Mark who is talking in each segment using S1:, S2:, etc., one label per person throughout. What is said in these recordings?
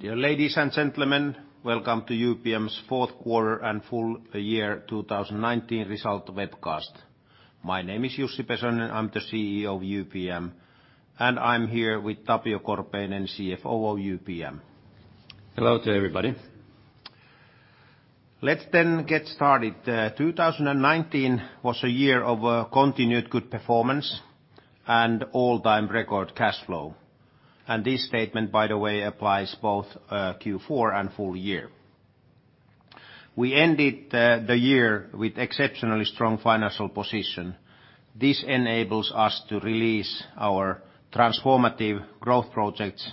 S1: Dear ladies and gentlemen, welcome to UPM-Kymmene's fourth quarter and full year 2019 result webcast. My name is Jussi Pesonen, I'm the Chief Executive Officer of UPM-Kymmene, and I'm here with Tapio Korpeinen, Chief Financial Officer of UPM-Kymmene.
S2: Hello to everybody.
S1: Let's get started. 2019 was a year of continued good performance and all-time record cash flow. This statement, by the way, applies both Q4 and full year. We ended the year with exceptionally strong financial position. This enables us to release our transformative growth projects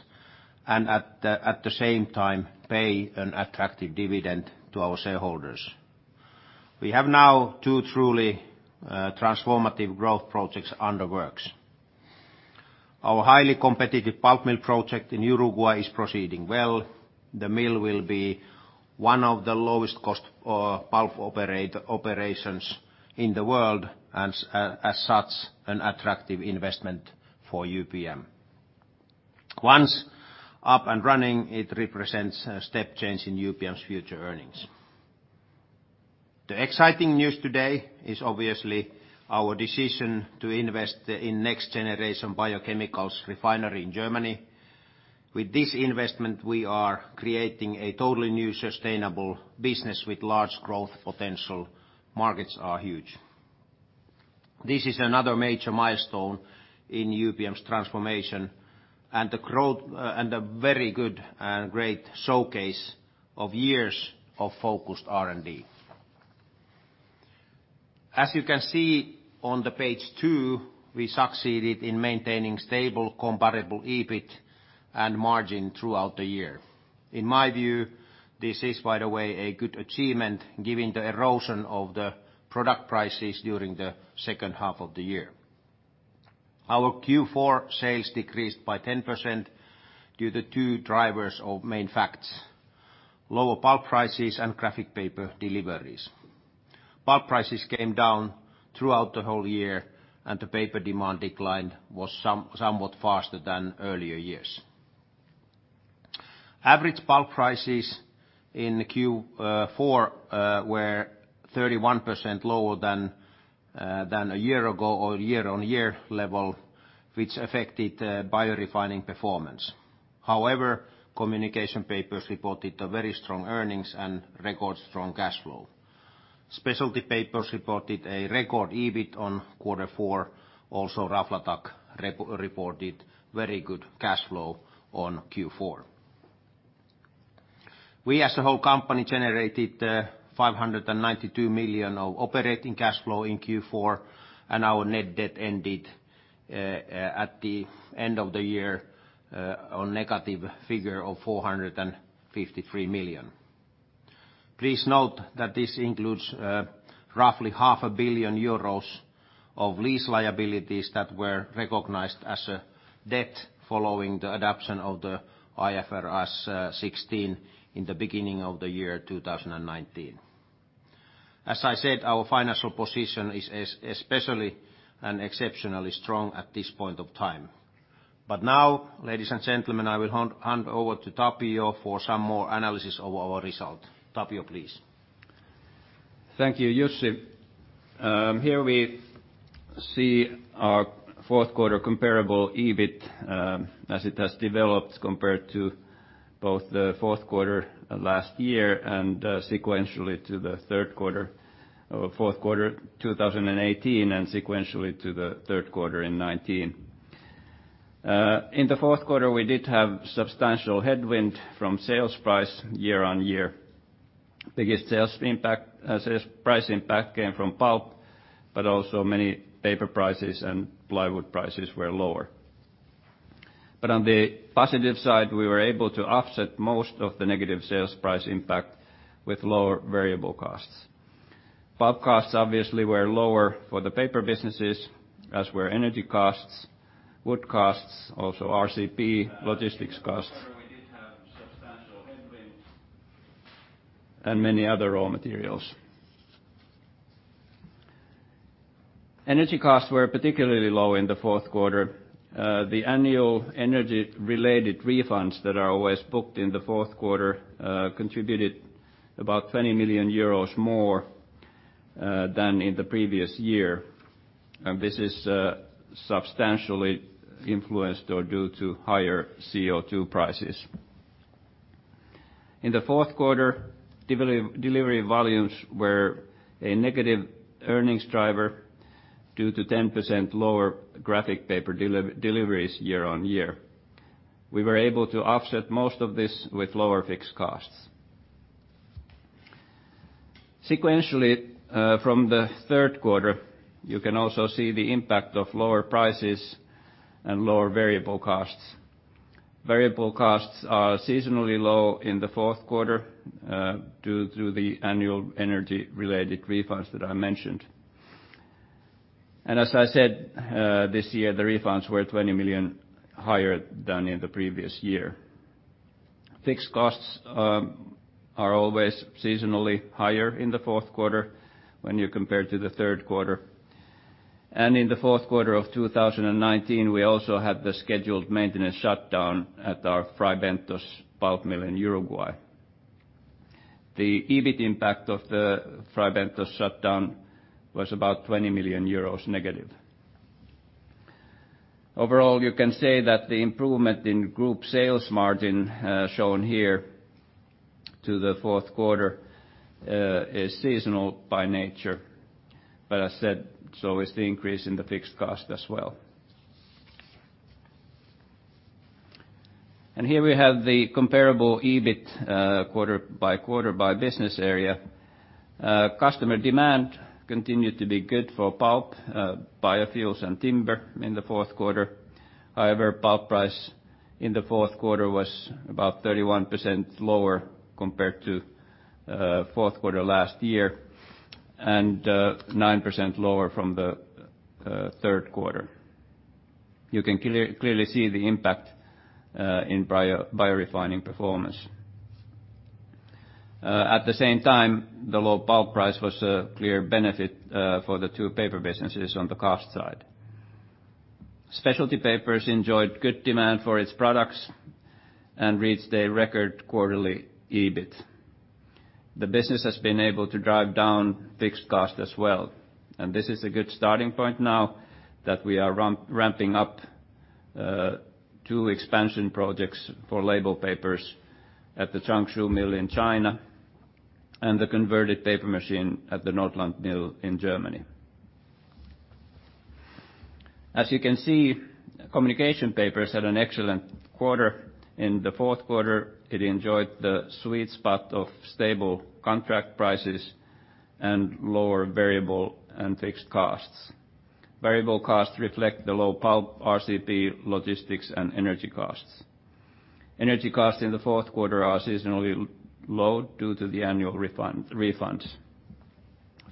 S1: and at the same time pay an attractive dividend to our shareholders. We have now two truly transformative growth projects under works. Our highly competitive pulp mill project in Uruguay is proceeding well. The mill will be one of the lowest cost pulp operations in the world, and as such, an attractive investment for UPM. Once up and running, it represents a step change in UPM's future earnings. The exciting news today is obviously our decision to invest in next generation biochemicals refinery in Germany. With this investment, we are creating a totally new sustainable business with large growth potential. Markets are huge. This is another major milestone in UPM's transformation and a very good and great showcase of years of focused R&D. As you can see on the page two, we succeeded in maintaining stable comparable EBIT and margin throughout the year. In my view, this is, by the way, a good achievement given the erosion of the product prices during the second half of the year. Our Q4 sales decreased by 10% due to two drivers or main facts: lower pulp prices and graphic paper deliveries. Pulp prices came down throughout the whole year, and the paper demand decline was somewhat faster than earlier years. Average pulp prices in Q4 were 31% lower than a year ago or year-on-year level, which affected Biorefining performance. However, Communication Papers reported a very strong earnings and record strong cash flow. Specialty Papers reported a record EBIT on quarter four, Also UPM Raflatac reported very good cash flow on Q4. We, as a whole company, generated 592 million of operating cash flow in Q4, and our net debt ended at the end of the year on negative figure of 453 million. Please note that this includes roughly half a billion EUR of lease liabilities that were recognized as a debt following the adoption of the IFRS 16 in the beginning of the year 2019. As I said, our financial position is especially and exceptionally strong at this point of time. Now, ladies and gentlemen, I will hand over to Tapio for some more analysis of our result. Tapio, please.
S2: Thank you, Jussi. Here we see our fourth quarter comparable EBIT, as it has developed compared to both the fourth quarter last year and sequentially to the third quarter of fourth quarter 2018 and sequentially to the third quarter in 2019. In the fourth quarter, we did have substantial headwind from sales price year-on-year. Biggest sales price impact came from pulp, also many paper prices and plywood prices were lower. On the positive side, we were able to offset most of the negative sales price impact with lower variable costs. Pulp costs obviously were lower for the paper businesses, as were energy costs, wood costs, also RCP logistics costs and many other raw materials. Energy costs were particularly low in the fourth quarter. The annual energy-related refunds that are always booked in the fourth quarter contributed about 20 million euros more than in the previous year. This is substantially influenced or due to higher CO2 prices. In the fourth quarter, delivery volumes were a negative earnings driver due to 10% lower graphic paper deliveries year-on-year. We were able to offset most of this with lower fixed costs. Sequentially, from the third quarter, you can also see the impact of lower prices and lower variable costs. Variable costs are seasonally low in the fourth quarter due to the annual energy-related refunds that I mentioned. As I said, this year, the refunds were 20 million higher than in the previous year. Fixed costs are always seasonally higher in the fourth quarter when you compare to the third quarter. In the fourth quarter of 2019, we also had the scheduled maintenance shutdown at our Fray Bentos pulp mill in Uruguay. The EBIT impact of the Fray Bentos shutdown was about -20 million euros. Overall, you can say that the improvement in group sales margin shown here to the fourth quarter is seasonal by nature. As I said, so is the increase in the fixed cost as well. Here we have the comparable EBIT quarter by quarter by business area. Customer demand continued to be good for pulp, biofuels, and timber in the fourth quarter. However, pulp price in the fourth quarter was about 31% lower compared to fourth quarter last year and 9% lower from the third quarter. You can clearly see the impact in Biorefining performance. At the same time, the low pulp price was a clear benefit for the two paper businesses on the cost side. UPM Specialty Papers enjoyed good demand for its products and reached a record quarterly EBIT. The business has been able to drive down fixed costs as well, and this is a good starting point now that we are ramping up two expansion projects for label papers at the Changshu mill in China and the converted paper machine at the Nordland mill in Germany. As you can see, UPM Communication Papers had an excellent quarter. In the fourth quarter, it enjoyed the sweet spot of stable contract prices and lower variable and fixed costs. Variable costs reflect the low pulp RCP logistics and energy costs. Energy costs in the fourth quarter are seasonally low due to the annual refunds.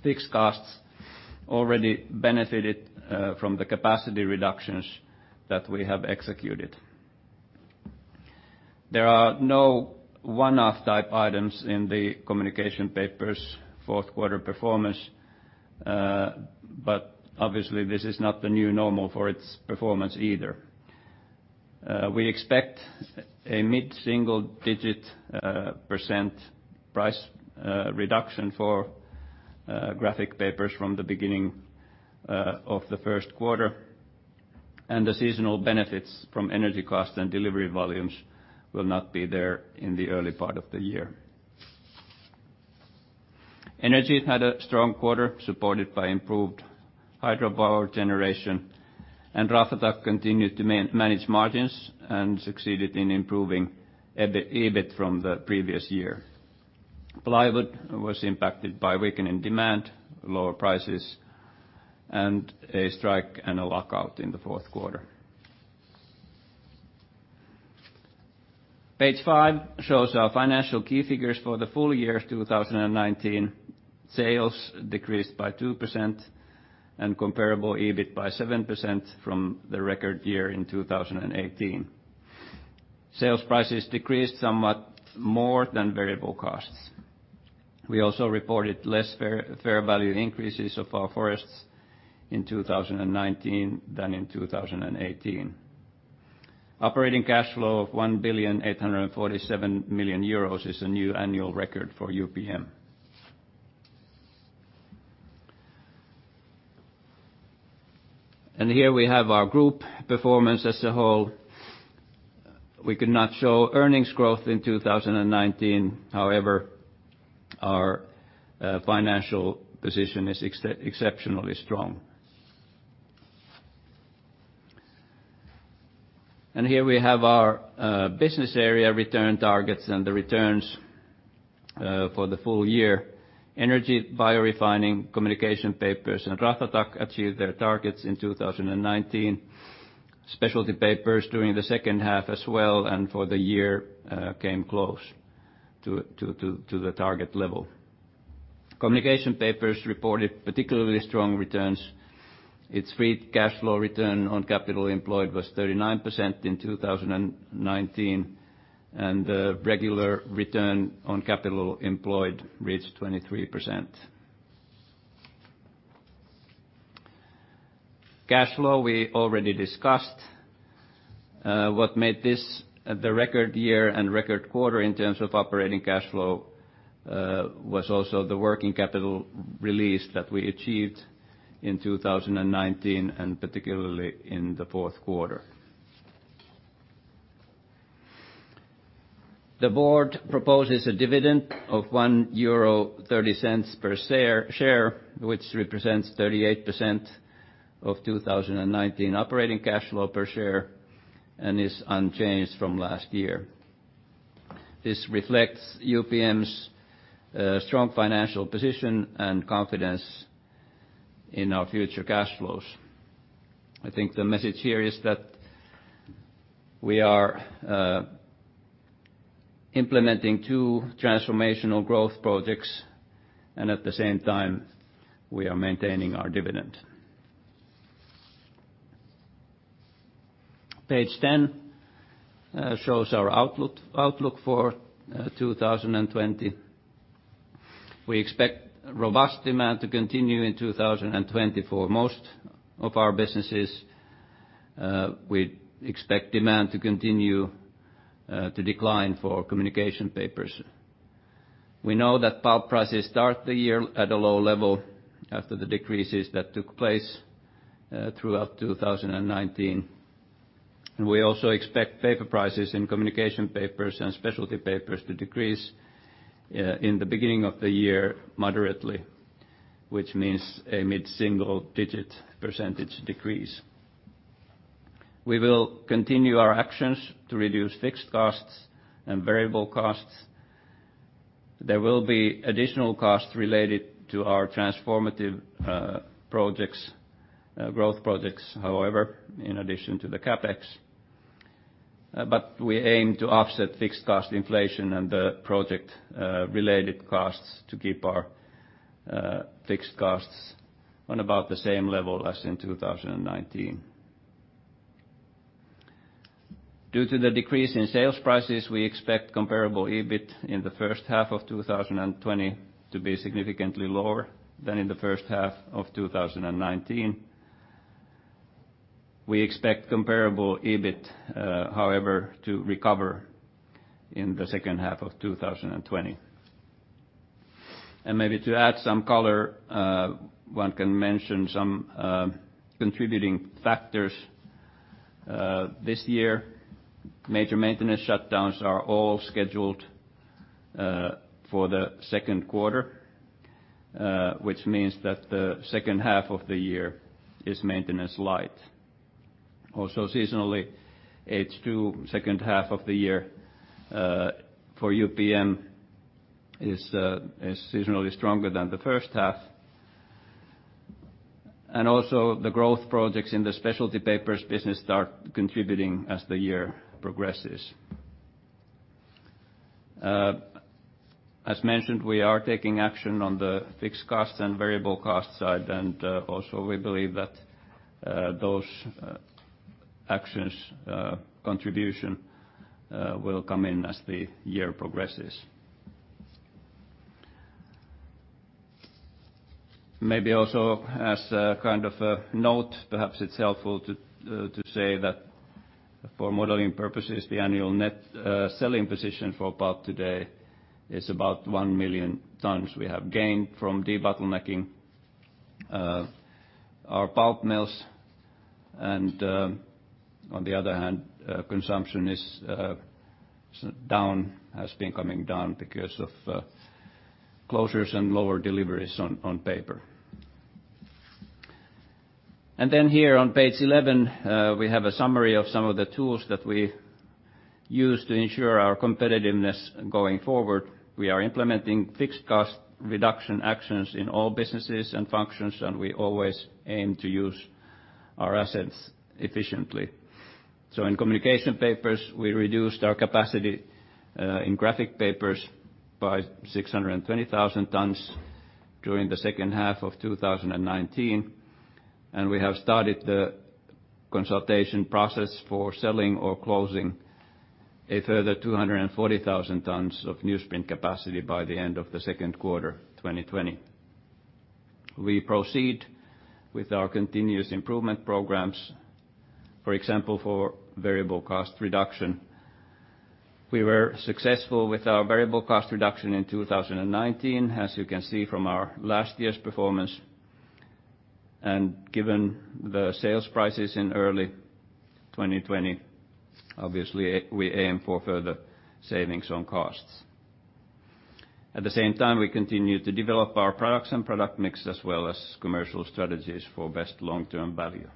S2: Fixed costs already benefited from the capacity reductions that we have executed. There are no one-off type items in the Communication Papers' fourth quarter performance, but obviously this is not the new normal for its performance either. We expect a mid-single-digit percent price reduction for graphic papers from the beginning of the first quarter, and the seasonal benefits from Energy costs and delivery volumes will not be there in the early part of the year. Energy had a strong quarter, supported by improved hydropower generation, and Raflatac continued to manage margins and succeeded in improving EBIT from the previous year. Plywood was impacted by weakening demand, lower prices, and a strike and a lockout in the fourth quarter. Page five shows our financial key figures for the full year 2019. Sales decreased by 2% and comparable EBIT by 7% from the record year in 2018. Sales prices decreased somewhat more than variable costs. We also reported less fair value increases of our forests in 2019 than in 2018. Operating cash flow of 1.847 billion euros is a new annual record for UPM. Here we have our group performance as a whole. We could not show earnings growth in 2019. However, our financial position is exceptionally strong. Here we have our business area return targets and the returns for the full year. UPM Energy, UPM Biorefining, UPM Communication Papers, and UPM Raflatac achieved their targets in 2019. UPM Specialty Papers during the second half as well and for the year came close to the target level. UPM Communication Papers reported particularly strong returns. Its free cash flow return on capital employed was 39% in 2019, and the regular return on capital employed reached 23%. Cash flow we already discussed. What made this the record year and record quarter in terms of operating cash flow was also the working capital release that we achieved in 2019, and particularly in the fourth quarter. The board proposes a dividend of 1.30 euro per share, which represents 38% of 2019 operating cash flow per share and is unchanged from last year. This reflects UPM's strong financial position and confidence in our future cash flows. I think the message here is that we are implementing two transformational growth projects, and at the same time, we are maintaining our dividend. Page 10 shows our outlook for 2020. We expect robust demand to continue in 2020 for most of our businesses. We expect demand to continue to decline for communication papers. We know that pulp prices start the year at a low level after the decreases that took place throughout 2019. We also expect paper prices in UPM Communication Papers and UPM Specialty Papers to decrease in the beginning of the year moderately, which means a mid-single-digit percentage decrease. We will continue our actions to reduce fixed costs and variable costs. There will be additional costs related to our transformative growth projects, however, in addition to the CapEx. We aim to offset fixed cost inflation and the project-related costs to keep our fixed costs on about the same level as in 2019. Due to the decrease in sales prices, we expect comparable EBIT in the first half of 2020 to be significantly lower than in the first half of 2019. We expect comparable EBIT, however, to recover in the second half of 2020. Maybe to add some color, one can mention some contributing factors. This year, major maintenance shutdowns are all scheduled for the second quarter, which means that the second half of the year is maintenance light. Also seasonally, H2 second half of the year for UPM is seasonally stronger than the first half. Also, the growth projects in the UPM Specialty Papers business start contributing as the year progresses. As mentioned, we are taking action on the fixed cost and variable cost side, and also we believe that those actions' contribution will come in as the year progresses. Maybe also as a note, perhaps it's helpful to say that for modeling purposes, the annual net selling position for pulp today is about one million tons. We have gained from debottlenecking our pulp mills, and on the other hand, consumption has been coming down because of closures and lower deliveries on paper. Here on page 11, we have a summary of some of the tools that we use to ensure our competitiveness going forward. We are implementing fixed cost reduction actions in all businesses and functions, and we always aim to use our assets efficiently. In Communication Papers, we reduced our capacity in graphic papers by 620,000 tons during the second half of 2019, and we have started the consultation process for selling or closing a further 240,000 tons of newsprint capacity by the end of the second quarter 2020. We proceed with our continuous improvement programs, for example, for variable cost reduction. We were successful with our variable cost reduction in 2019, as you can see from our last year's performance. Given the sales prices in early 2020, obviously, we aim for further savings on costs. At the same time, we continue to develop our products and product mix, as well as commercial strategies for best long-term value.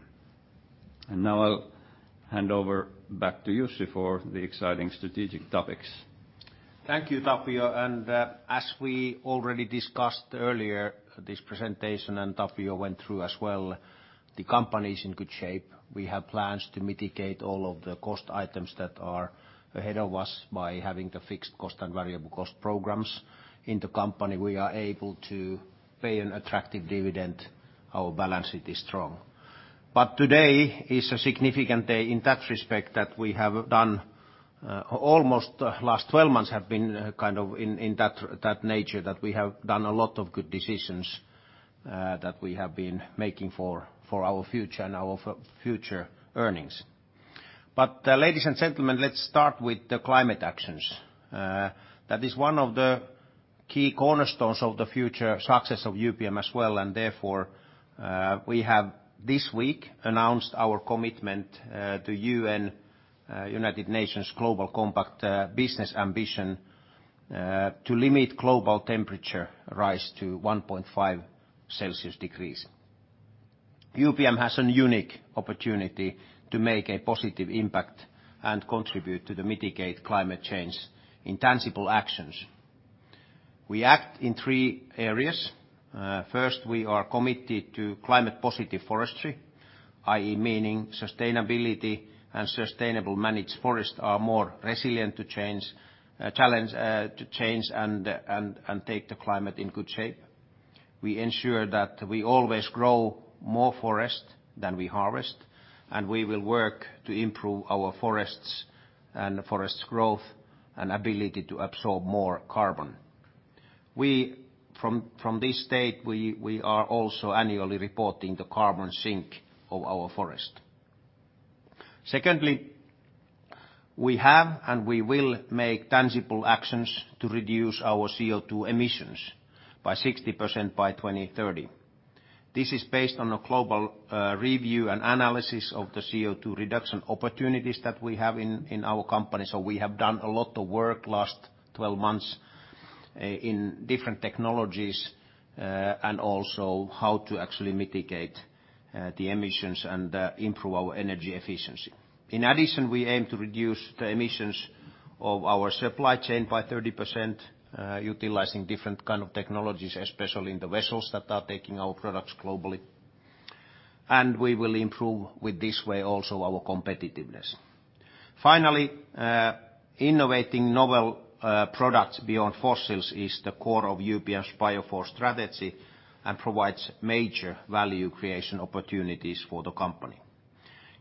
S2: Now I'll hand over back to Jussi for the exciting strategic topics.
S1: Thank you, Tapio. As we already discussed earlier, this presentation, and Tapio went through as well, the company is in good shape. We have plans to mitigate all of the cost items that are ahead of us by having the fixed cost and variable cost programs in the company. We are able to pay an attractive dividend. Our balance sheet is strong. Today is a significant day in that respect that almost the last 12 months have been in that nature, that we have done a lot of good decisions that we have been making for our future and our future earnings. Ladies and gentlemen, let's start with the climate actions. That is one of the key cornerstones of the future success of UPM as well, and therefore, we have this week announced our commitment to UN, United Nations Global Compact Business Ambition to limit global temperature rise to 1.5 Celsius degrees. UPM has a unique opportunity to make a positive impact and contribute to mitigate climate change in tangible actions. We act in three areas. First, we are committed to climate positive forestry, i.e. meaning sustainability and sustainable managed forests are more resilient to challenge, to change, and take the climate in good shape. We ensure that we always grow more forest than we harvest, and we will work to improve our forests, and forest growth, and ability to absorb more carbon. From this state, we are also annually reporting the carbon sink of our forest. Secondly, we have, and we will make tangible actions to reduce our CO2 emissions by 60% by 2030. This is based on a global review and analysis of the CO2 reduction opportunities that we have in our company. We have done a lot of work last 12 months in different technologies, and also how to actually mitigate the emissions and improve our energy efficiency. In addition, we aim to reduce the emissions of our supply chain by 30%, utilizing different kind of technologies, especially in the vessels that are taking our products globally. We will improve with this way also our competitiveness. Finally, innovating novel products beyond fossils is the core of UPM's Biofore strategy and provides major value creation opportunities for the company.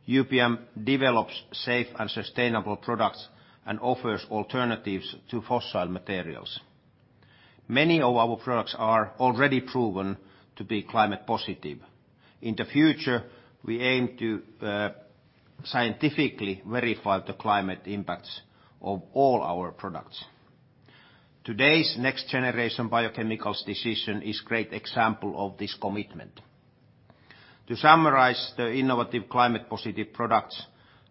S1: UPM develops safe and sustainable products and offers alternatives to fossil materials. Many of our products are already proven to be climate positive. In the future, we aim to scientifically verify the climate impacts of all our products. Today's next generation biochemicals decision is great example of this commitment. To summarize the innovative climate positive products,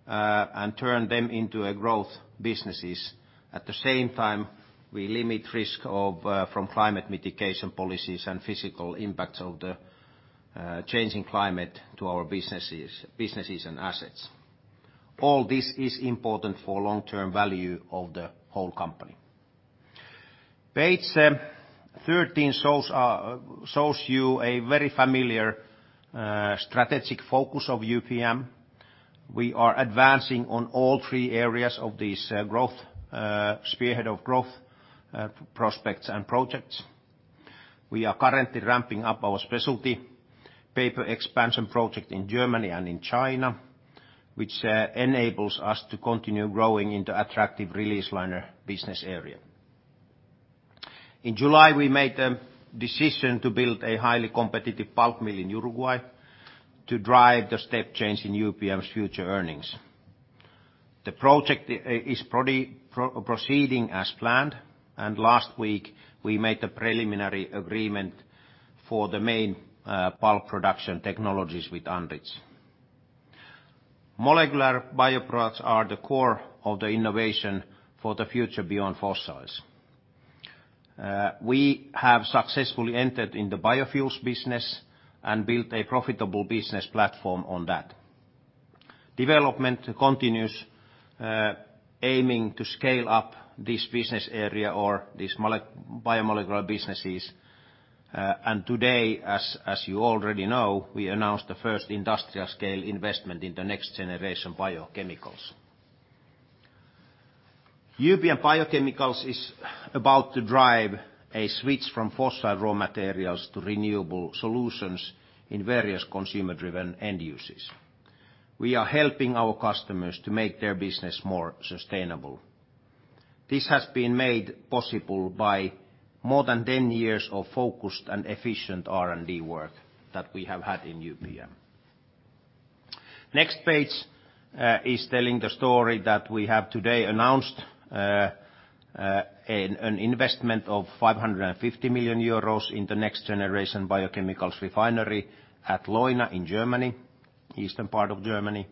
S1: and turn them into a growth businesses. At the same time, we limit risk from climate mitigation policies and physical impacts of the changing climate to our businesses and assets. All this is important for long-term value of the whole company. Page 13 shows you a very familiar strategic focus of UPM. We are advancing on all three areas of this spearhead of growth, prospects, and projects. We are currently ramping up our Specialty Papers expansion project in Germany and in China, which enables us to continue growing into attractive release liner business area. In July, we made a decision to build a highly competitive pulp mill in Uruguay to drive the step change in UPM's future earnings. The project is proceeding as planned, and last week we made a preliminary agreement for the main pulp production technologies with Andritz. Molecular bioproducts are the core of the innovation for the future beyond fossils. We have successfully entered in the biofuels business and built a profitable business platform on that. Development continues, aiming to scale up this business area or these biomolecular businesses. Today, as you already know, we announced the first industrial scale investment in the next generation biochemicals. UPM Biochemicals is about to drive a switch from fossil raw materials to renewable solutions in various consumer-driven end uses. We are helping our customers to make their business more sustainable. This has been made possible by more than 10 years of focused and efficient R&D work that we have had in UPM. The next page is telling the story that we have today announced an investment of 550 million euros in the next generation biochemicals biorefinery at Leuna in Germany, eastern part of Germany.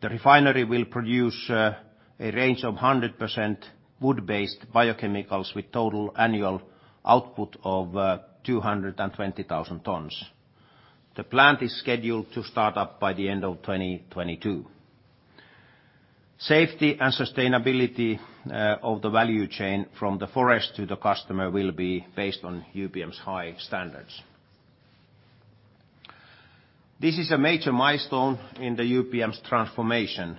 S1: The biorefinery will produce a range of 100% wood-based biochemicals with total annual output of 220,000 tons. The plant is scheduled to start up by the end of 2022. Safety and sustainability of the value chain from the forest to the customer will be based on UPM's high standards. This is a major milestone in UPM's transformation.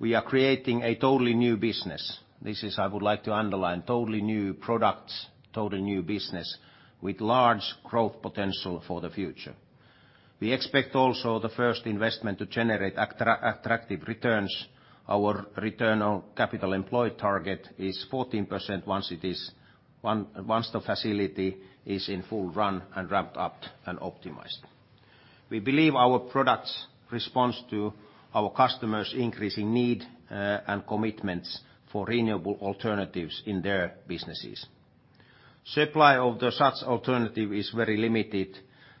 S1: We are creating a totally new business. This is, I would like to underline, totally new products, totally new business with large growth potential for the future. We expect also the first investment to generate attractive returns. Our return on capital employed target is 14% once the facility is in full run, and ramped up, and optimized. We believe our products responds to our customers' increasing need and commitments for renewable alternatives in their businesses. Supply of the such alternative is very limited,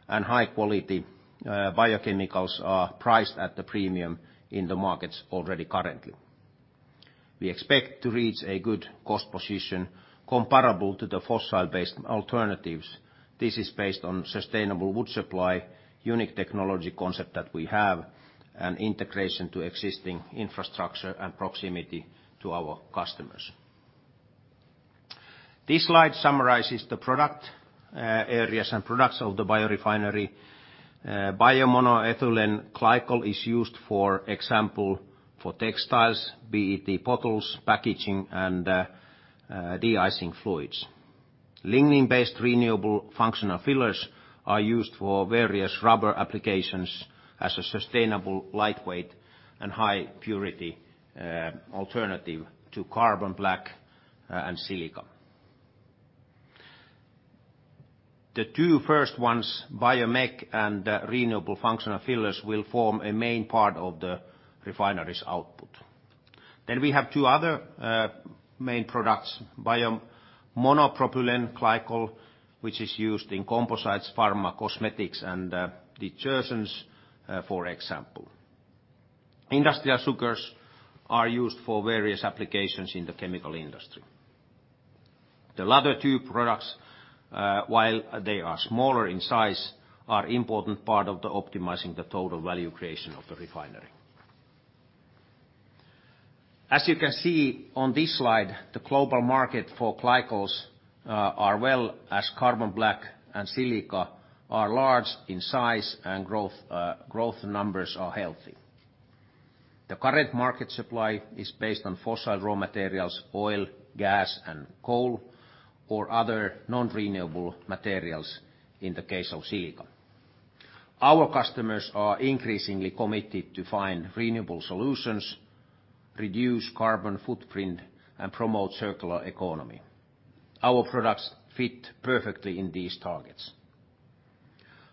S1: and high quality biochemicals are priced at the premium in the markets already currently. We expect to reach a good cost position comparable to the fossil-based alternatives. This is based on sustainable wood supply, unique technology concept that we have, and integration to existing infrastructure, and proximity to our customers. This slide summarizes the product areas and products of the biorefinery. bio-monoethylene glycol is used, for example, for textiles, PET bottles, packaging, and de-icing fluids. Lignin-based Renewable Functional Fillers are used for various rubber applications as a sustainable, lightweight, and high purity alternative to carbon black and silica. The two first ones, BioMEG and Renewable Functional Fillers, will form a main part of the refinery's output. We have two other main products, bio-monopropylene glycol, which is used in composites, pharma, cosmetics, and detergents, for example. Industrial sugars are used for various applications in the chemical industry. The latter two products, while they are smaller in size, are important part of the optimizing the total value creation of the refinery. As you can see on this slide, the global market for glycols, as well as carbon black and silica, are large in size and growth numbers are healthy. The current market supply is based on fossil raw materials, oil, gas, and coal, or other non-renewable materials, in the case of silica. Our customers are increasingly committed to find renewable solutions, reduce carbon footprint, and promote circular economy. Our products fit perfectly in these targets.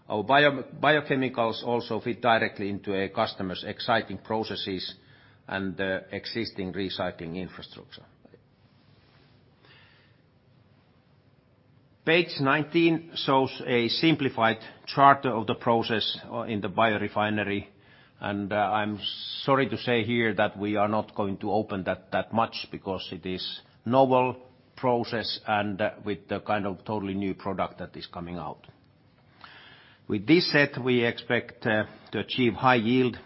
S1: Our biochemicals also fit directly into a customer's existing processes and existing recycling infrastructure. Page 19 shows a simplified chart of the process in the biorefinery, and I'm sorry to say here that we are not going to open that much because it is novel process and with the totally new product that is coming out. With this said, we expect to achieve high yield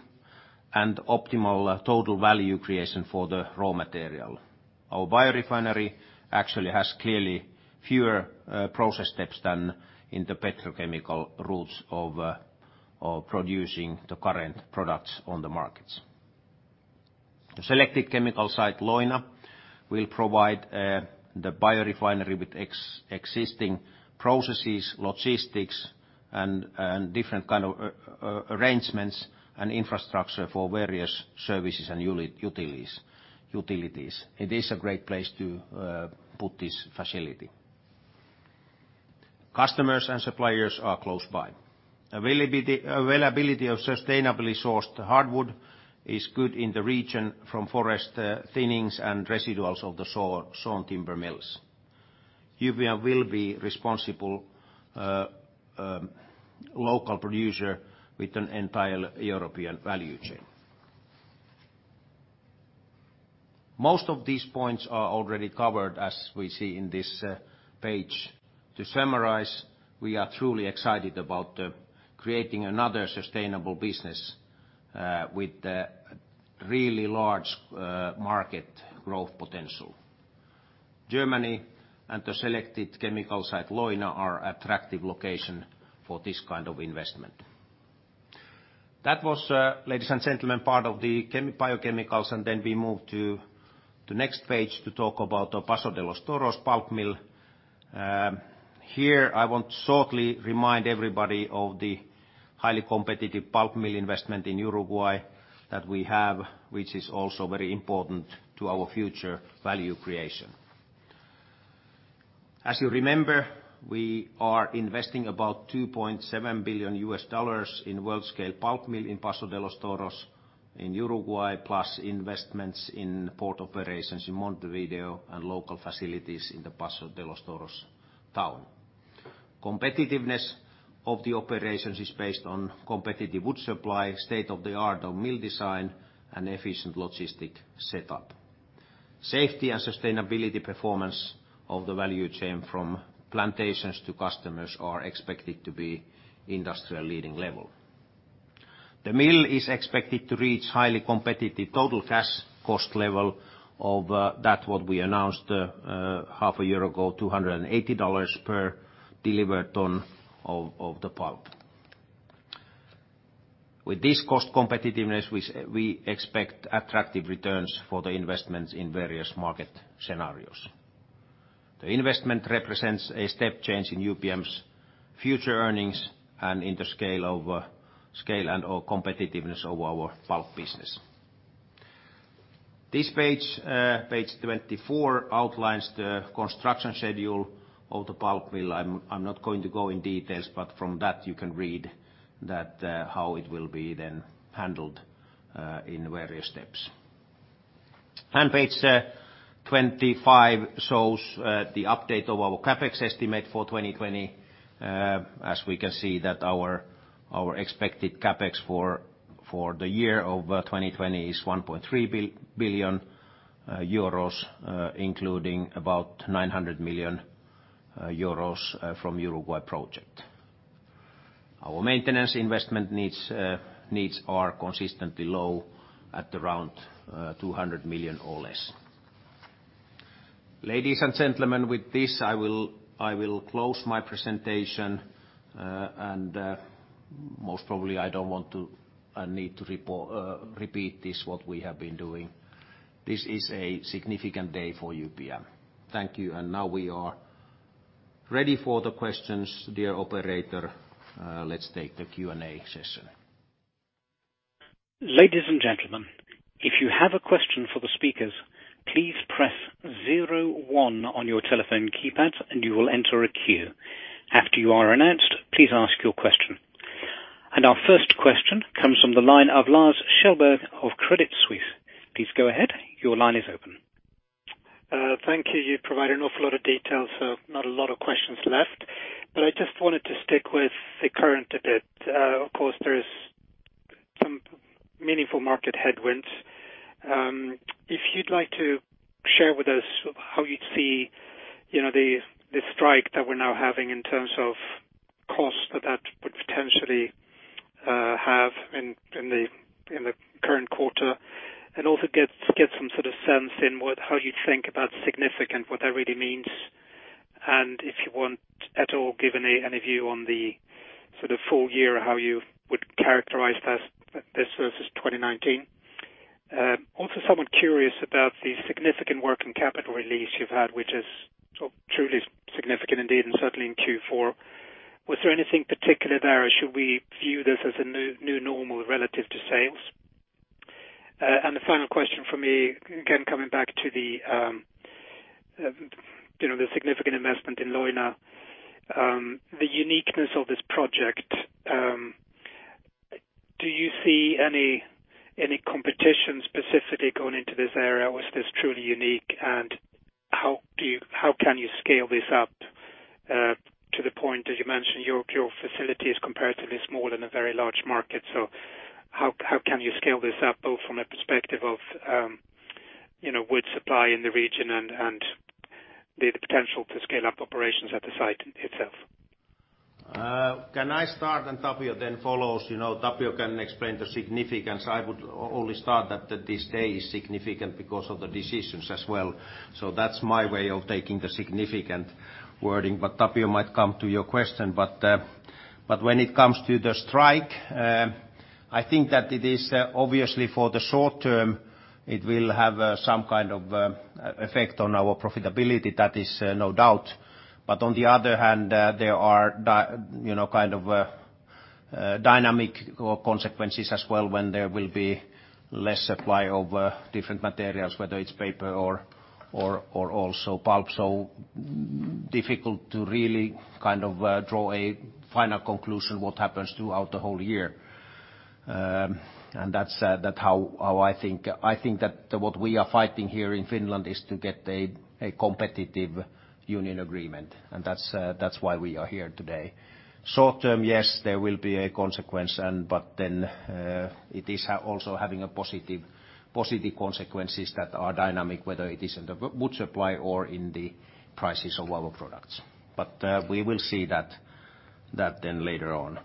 S1: and optimal total value creation for the raw material. Our biorefinery actually has clearly fewer process steps than in the petrochemical routes of producing the current products on the markets. The selected chemical site, Leuna, will provide the biorefinery with existing processes, logistics, and different kind of arrangements and infrastructure for various services and utilities. It is a great place to put this facility. Customers and suppliers are close by. Availability of sustainably sourced hardwood is good in the region from forest thinnings and residuals of the sawn timber mills. UPM will be responsible local producer with an entire European value chain. Most of these points are already covered, as we see in this page. To summarize, we are truly excited about creating another sustainable business with a really large market growth potential. Germany and the selected chemical site, Leuna, are attractive location for this kind of investment. That was, ladies and gentlemen, part of the Biochemicals, and then we move to the next page to talk about our Paso de los Toros pulp mill. Here, I want to shortly remind everybody of the highly competitive pulp mill investment in Uruguay that we have, which is also very important to our future value creation. As you remember, we are investing about $2.7 billion in world-scale pulp mill in Paso de los Toros in Uruguay, plus investments in port operations in Montevideo and local facilities in the Paso de los Toros town. Competitiveness of the operations is based on competitive wood supply, state-of-the-art mill design, and efficient logistic setup. Safety and sustainability performance of the value chain from plantations to customers are expected to be industrial leading level. The mill is expected to reach highly competitive total cash cost level of that what we announced half a year ago, $280 per delivered ton of the pulp. With this cost competitiveness, we expect attractive returns for the investments in various market scenarios. The investment represents a step change in UPM's future earnings and in the scale and/or competitiveness of our pulp business. This page 24, outlines the construction schedule of the pulp mill. I'm not going to go in details, but from that you can read that how it will be then handled, in various steps. Page 25 shows the update of our CapEx estimate for 2020. As we can see that our expected CapEx for the year of 2020 is 1.3 billion euros, including about 900 million euros from Uruguay project. Our maintenance investment needs are consistently low at around 200 million or less. Ladies and gentlemen, with this, I will close my presentation, and most probably, I don't want to or need to repeat this, what we have been doing. This is a significant day for UPM. Thank you. Now we are ready for the questions. Dear operator, let's take the Q&A session.
S3: Ladies and gentlemen, if you have a question for the speakers, please press zero one on your telephone keypad and you will enter a queue. After you are announced, please ask your question. Our first question comes from the line of Lars Kjellberg of Credit Suisse. Please go ahead. Your line is open.
S4: Thank you. You provided an awful lot of details, so not a lot of questions left, but I just wanted to stick with the current a bit. Of course, there is some meaningful market headwinds. If you'd like to share with us how you'd see the strike that we're now having in terms of costs that that would potentially have in the current quarter, and also get some sort of sense in how you think about significant, what that really means. If you want at all give any view on the full year, how you would characterize this versus 2019. Also somewhat curious about the significant working capital release you've had, which is truly significant indeed, and certainly in Q4. Was there anything particular there, or should we view this as a new normal relative to sales? The final question from me, again, coming back to the significant investment in Leuna, the uniqueness of this project, do you see any competition specifically going into this area? Was this truly unique, and how can you scale this up to the point that you mentioned your facility is comparatively small in a very large market? How can you scale this up, both from a perspective of wood supply in the region and the potential to scale up operations at the site itself?
S1: Can I start and Tapio then follows? Tapio can explain the significance. I would only start that this day is significant because of the decisions as well. That's my way of taking the significant wording. Tapio might come to your question. When it comes to the strike, I think that it is obviously for the short term, it will have some kind of effect on our profitability, that is no doubt. On the other hand, there are dynamic consequences as well when there will be less supply of different materials, whether it's paper or also pulp. Difficult to really draw a final conclusion what happens throughout the whole year. That's how I think. I think that what we are fighting here in Finland is to get a competitive union agreement, and that's why we are here today. Short term, yes, there will be a consequence, but then it is also having a positive consequences that are dynamic, whether it is in the wood supply or in the prices of our products. We will see that then later on.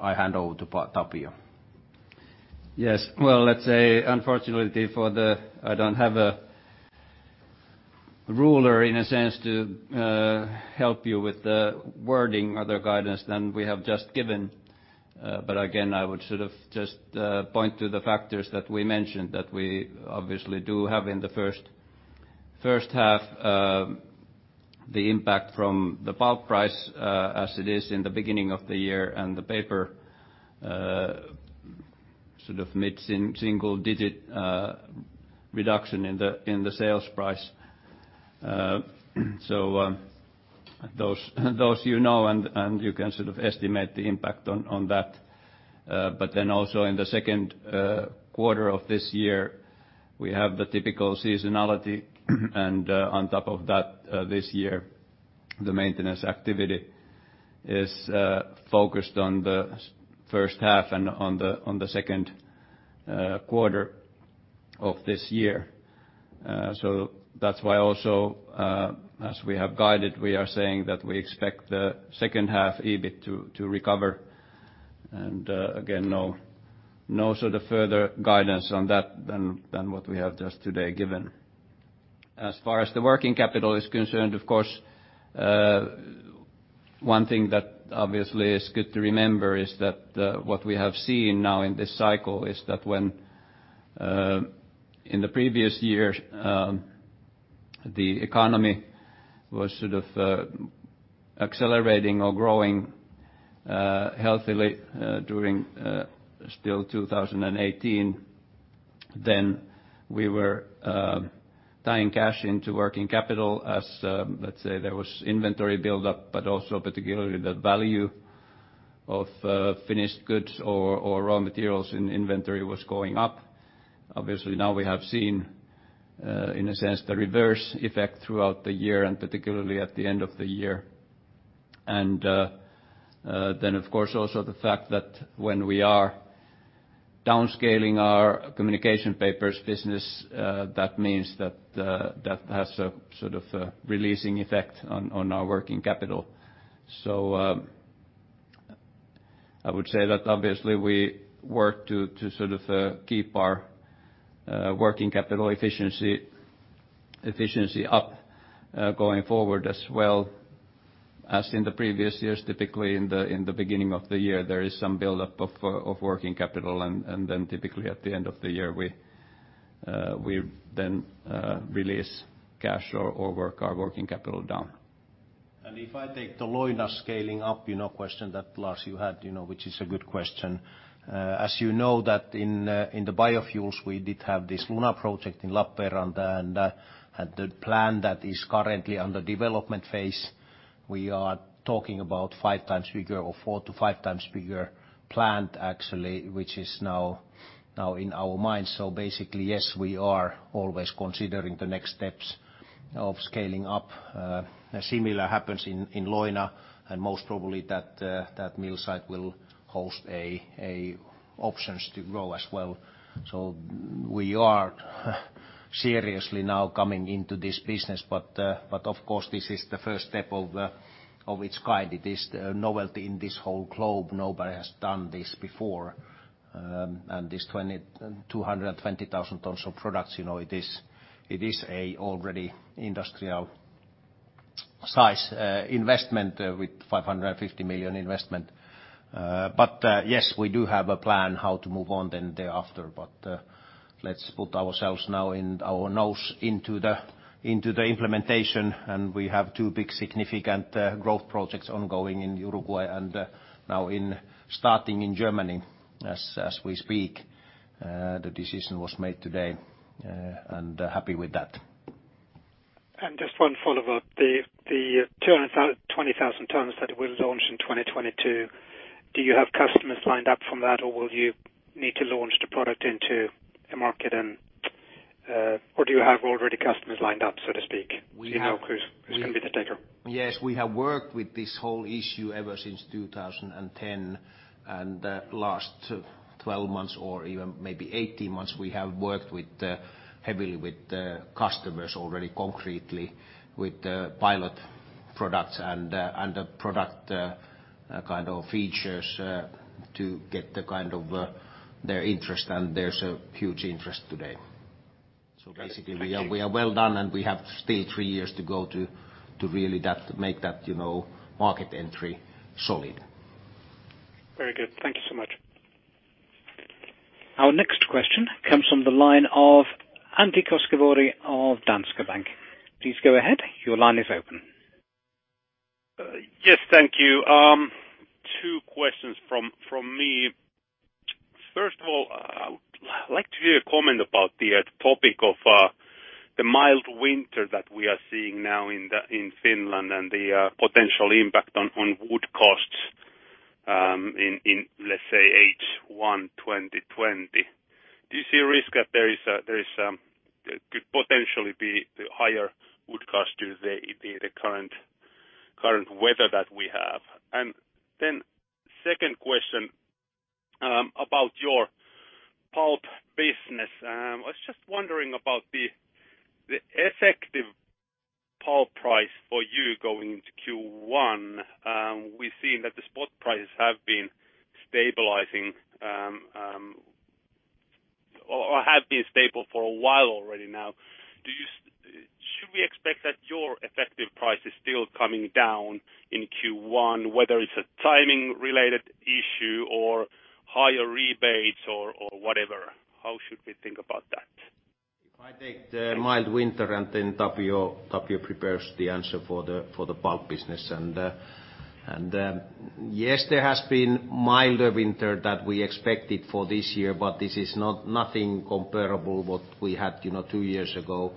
S1: I hand over to Tapio.
S2: Yes. Well, let's say unfortunately I don't have a ruler, in a sense, to help you with the wording other guidance than we have just given. Again, I would sort of just point to the factors that we mentioned that we obviously do have in the first half, the impact from the pulp price, as it is in the beginning of the year, and the paper sort of mid-single digit reduction in the sales price. Those you know, and you can sort of estimate the impact on that. Also in the second quarter of this year, we have the typical seasonality, and on top of that, this year, the maintenance activity is focused on the first half and on the second quarter of this year. That's why also, as we have guided, we are saying that we expect the second half EBIT to recover. Again, no further guidance on that than what we have just today given. As far as the working capital is concerned, of course, one thing that obviously is good to remember is that what we have seen now in this cycle is that when in the previous years, the economy was sort of accelerating or growing healthily during still 2018, then we were tying cash into working capital as, let's say there was inventory buildup, but also particularly the value of finished goods or raw materials in inventory was going up. Obviously, now we have seen, in a sense, the reverse effect throughout the year and particularly at the end of the year. Then, of course, also the fact that when we are downscaling our UPM Communication Papers business, that means that that has a sort of releasing effect on our working capital. I would say that obviously we work to keep our working capital efficiency up going forward as well as in the previous years. Typically in the beginning of the year, there is some buildup of working capital, and then typically at the end of the year, we then release cash or work our working capital down.
S1: If I take the Leuna scaling up question that, Lars, you had, which is a good question. You know that in the biofuels, we did have this Leuna project in Lappeenranta, and the plan that is currently under development phase. We are talking about four to five times bigger plant actually, which is now in our minds. Basically, yes, we are always considering the next steps of scaling up. Similar happens in Leuna, and most probably that mill site will host options to grow as well. We are seriously now coming into this business, but of course this is the first step of its kind. It is novelty in this whole globe. Nobody has done this before. This 220,000 tons of products, it is a already industrial size investment with 550 million investment. Yes, we do have a plan how to move on then thereafter. Let's put ourselves now and our nose into the implementation, and we have two big significant growth projects ongoing in Uruguay and now starting in Germany as we speak. The decision was made today, happy with that.
S4: Just one follow-up, the 220,000 tons that will launch in 2022, do you have customers lined up from that or will you need to launch the product into a market, or do you have already customers lined up, so to speak? Do you know who's going to be the taker?
S1: Yes, we have worked with this whole issue ever since 2010, and last 12 months or even maybe 18 months, we have worked heavily with customers already concretely with the pilot products and the product kind of features to get their interest, and there's a huge interest today.
S4: Thank you.
S1: Basically, we are well done, and we have still three years to go to really make that market entry solid.
S4: Very good. Thank you so much.
S3: Our next question comes from the line of Antti Koskivuori of Danske Bank. Please go ahead. Your line is open.
S5: Yes, thank you. Two questions from me. First of all, I would like to hear a comment about the topic of the mild winter that we are seeing now in Finland and the potential impact on wood costs in, let's say, H1 2020. Do you see a risk that there could potentially be the higher wood cost due to the current weather that we have? Second question about your pulp business. I was just wondering about the effective pulp price for you going into Q1. We've seen that the spot prices have been stabilizing or have been stable for a while already now. Should we expect that your effective price is still coming down in Q1, whether it's a timing related issue or higher rebates or whatever? How should we think about that?
S1: If I take the mild winter, Tapio prepares the answer for the pulp business. Yes, there has been milder winter that we expected for this year, but this is nothing comparable what we had two years ago.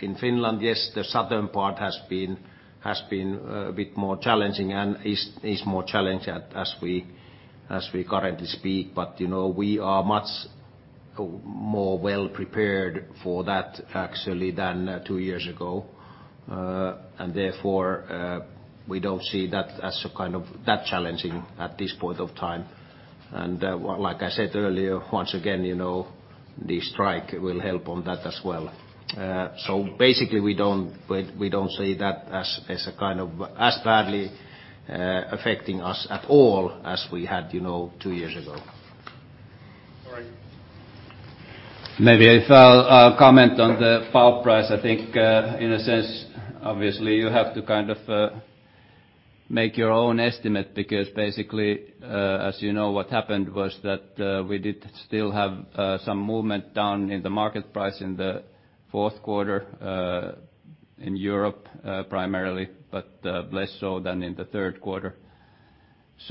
S1: In Finland, yes, the southern part has been a bit more challenging and is more challenging as we currently speak. We are much more well prepared for that actually than two years ago. Therefore, we don't see that as that challenging at this point of time. Like I said earlier, once again the strike will help on that as well. Basically, we don't see that as badly affecting us at all as we had two years ago.
S5: All right.
S2: Maybe if I'll comment on the pulp price. I think, in a sense, obviously you have to make your own estimate because basically, as you know, what happened was that we did still have some movement down in the market price in the fourth quarter, in Europe primarily, but less so than in the third quarter.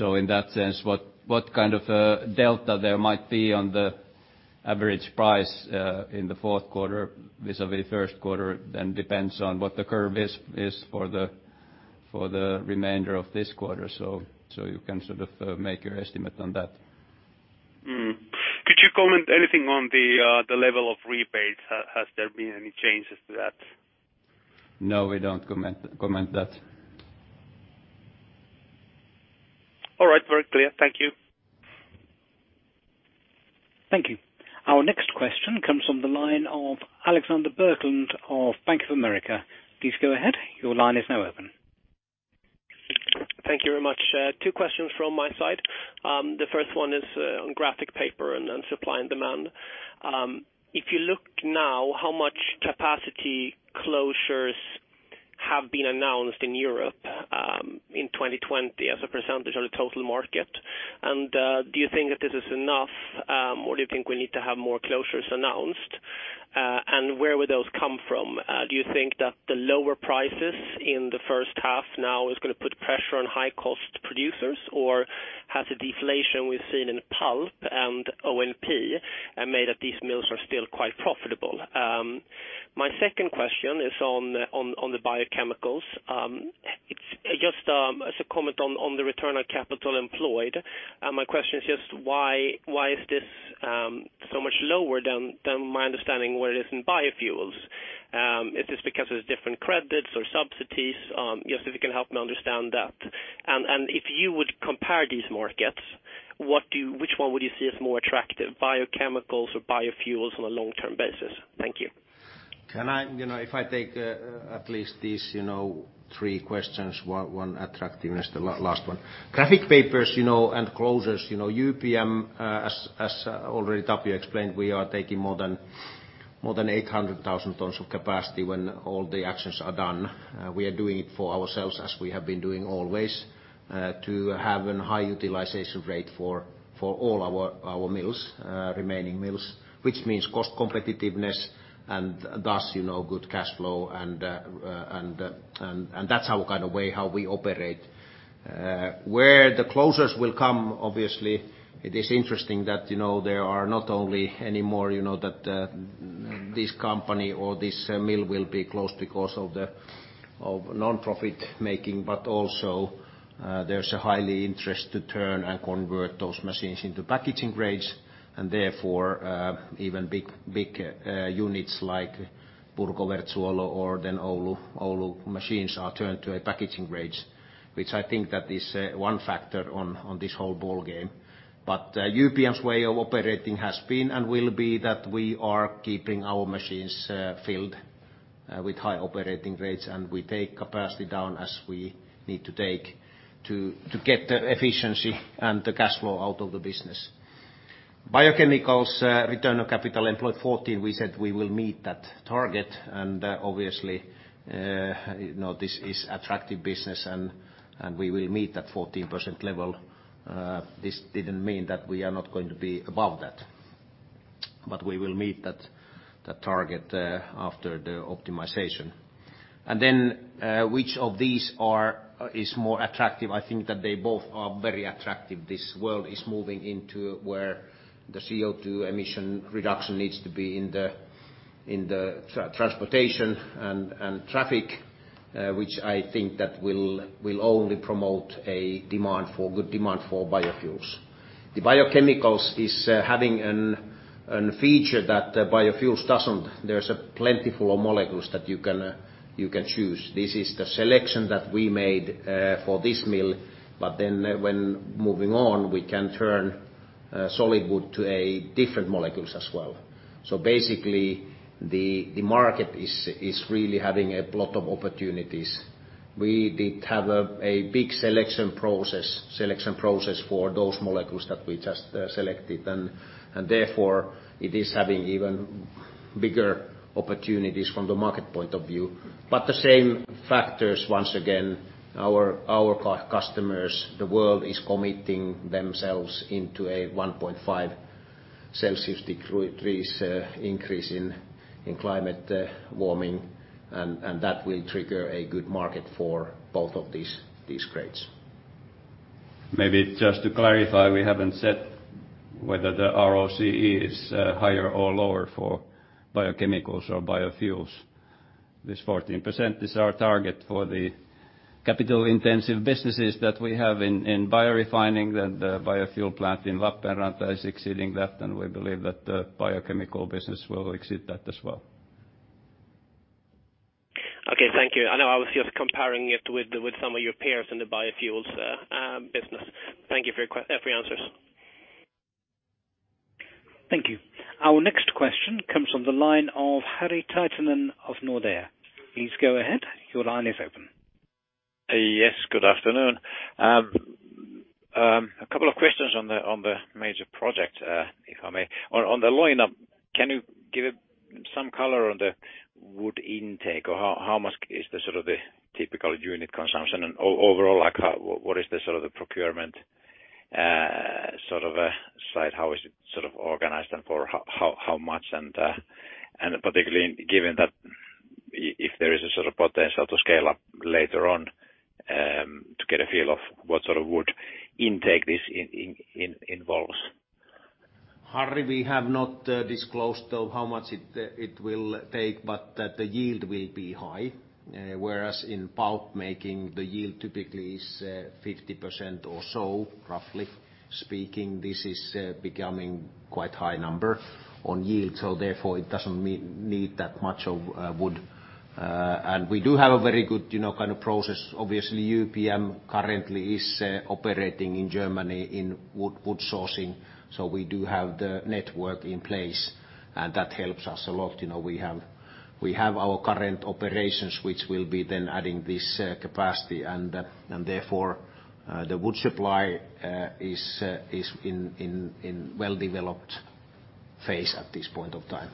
S2: In that sense, what kind of a delta there might be on the average price in the fourth quarter vis-à-vis first quarter then depends on what the curve is for the remainder of this quarter. You can sort of make your estimate on that.
S5: Could you comment anything on the level of rebates? Has there been any changes to that?
S2: No, we don't comment that.
S5: All right, very clear. Thank you.
S3: Thank you. Our next question comes from the line of Alexander Berglund of Bank of America. Please go ahead. Your line is now open.
S6: Thank you very much. Two questions from my side. The first one is on graphic paper and supply and demand. If you look now, how much capacity closures have been announced in Europe in 2020 as a percent of the total market. Do you think that this is enough, or do you think we need to have more closures announced? Where would those come from? Do you think that the lower prices in the first half now is going to put pressure on high-cost producers? Has the deflation we've seen in pulp and ONP made that these mills are still quite profitable? My second question is on the Biochemicals. It's just as a comment on the return on capital employed. My question is just why is this so much lower than my understanding where it is in Biofuels? Is this because there's different credits or subsidies? Just if you can help me understand that. If you would compare these markets, which one would you see as more attractive, biochemicals or biofuels on a long-term basis? Thank you.
S1: If I take at least these three questions, one attractiveness, the last one. Graphic papers and closures, UPM-Kymmene, as already Tapio explained, we are taking more than 800,000 tons of capacity when all the actions are done. We are doing it for ourselves as we have been doing always, to have a high utilization rate for all our remaining mills. Which means cost competitiveness and thus good cash flow and that's our way how we operate. Where the closures will come, obviously, it is interesting that there are not only any more that this company or this mill will be closed because of non-profit-making, but also there's a high interest to turn and convert those machines into packaging grades and therefore, even big units like or then Oulu machines are turned to packaging grades, which I think that is one factor on this whole ball game. UPM-Kymmene's way of operating has been and will be that we are keeping our machines filled with high operating rates, and we take capacity down as we need to take to get the efficiency and the cash flow out of the business. UPM Biochemicals return on capital employed 14%, we said we will meet that target and obviously this is attractive business and we will meet that 14% level. This didn't mean that we are not going to be above that, but we will meet that target after the optimization. Which of these is more attractive? I think that they both are very attractive. This world is moving into where the CO2 emission reduction needs to be in the transportation and traffic, which I think that will only promote a good demand for biofuels. The biochemicals is having a feature that biofuels doesn't. There's a plentiful of molecules that you can choose. This is the selection that we made for this mill. When moving on, we can turn solid wood to different molecules as well. Basically, the market is really having a lot of opportunities. We did have a big selection process for those molecules that we just selected and therefore it is having even bigger opportunities from the market point of view. The same factors once again, our customers, the world is committing themselves into a 1.5 Celsius degrees increase in climate warming and that will trigger a good market for both of these grades.
S2: Maybe just to clarify, we haven't said whether the ROCE is higher or lower for biochemicals or biofuels. This 14% is our target for the capital-intensive businesses that we have in biorefining, and the biofuel plant in Lappeenranta is exceeding that, and we believe that the biochemical business will exceed that as well.
S6: Okay. Thank you. I know I was just comparing it with some of your peers in the biofuels business. Thank you for your answers.
S3: Thank you. Our next question comes from the line of Harri Taittonen of Nordea. Please go ahead. Your line is open.
S7: Yes, good afternoon. A couple of questions on the major project, if I may. On the line up, can you give some color on the wood intake or how much is the typical unit consumption and overall, what is the procurement side? How is it organized and for how much? Particularly given that if there is a potential to scale up later on, to get a feel of what sort of wood intake this involves.
S1: Harri, we have not disclosed how much it will take, but that the yield will be high. Whereas in pulp making, the yield typically is 50% or so, roughly speaking. This is becoming quite high number on yield. Therefore, it doesn't need that much of wood. We do have a very good process. Obviously, UPM-Kymmene currently is operating in Germany in wood sourcing. We do have the network in place, and that helps us a lot. We have our current operations, which will be then adding this capacity, and therefore, the wood supply is in well-developed.
S2: Face at this point of time.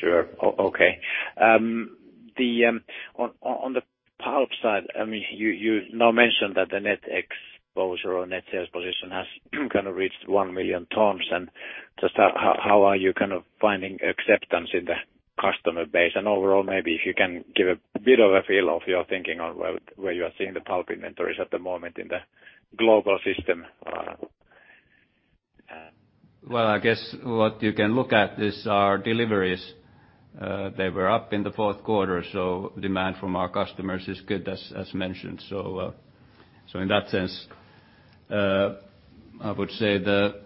S7: Sure. Okay. On the pulp side, you now mentioned that the net exposure or net sales position has reached 1 million tons. Just how are you finding acceptance in the customer base? Overall, maybe if you can give a bit of a feel of your thinking on where you are seeing the pulp inventories at the moment in the global system.
S2: Well, I guess what you can look at is our deliveries. They were up in the fourth quarter, so demand from our customers is good, as mentioned. In that sense, I would say the